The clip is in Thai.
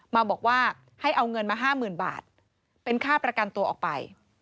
มาบอกว่าให้เอาเงินมา๕๐๐๐บาทเป็นค่าประกันตัวออกไป